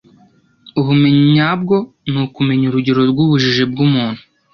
ubumenyi nyabwo ni ukumenya urugero rw'ubujiji bw'umuntu